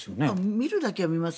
見るだけは見ます。